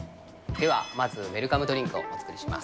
では、まずウェルカムドリンクをお作りします。